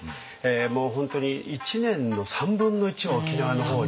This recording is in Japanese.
もう本当に一年の３分の１は沖縄の方に。